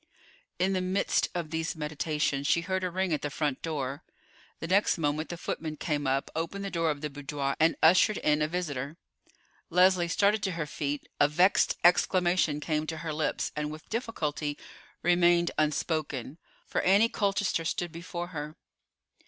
In the midst of these meditations she heard a ring at the front door. The next moment the footman came up, opened the door of the boudoir, and ushered in a visitor. Leslie started to her feet, a vexed exclamation came to her lips, and with difficulty remained unspoken, for Annie Colchester stood before her.